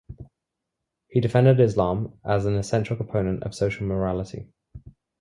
He defended Islam as an essential component of social morality.